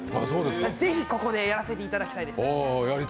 だから、是非やらせていただきたいです。